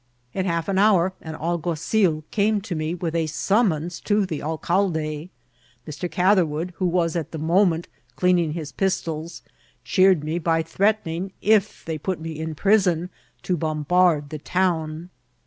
In half an hour an algnazil came to me with a 8um« mons to the alcalde. Mr. Catherwood, who was, at the moment, cleaning his pistols, cheered me by threaten * ing, if they put me in prison, to bombard the town.